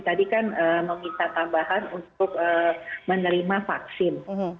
tadi kan meminta tambahan untuk menerima vaksin